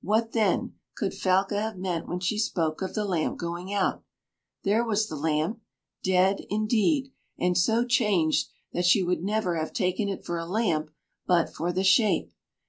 What, then, could Falca have meant when she spoke of the lamp going out? There was the lamp dead, indeed, and so changed that she would never have taken it for a lamp but for the shape.